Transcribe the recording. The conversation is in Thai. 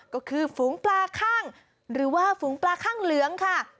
ก็คือฝูงปลาข้างหรือว่าฝูงปลาข้างเหลืองค่ะ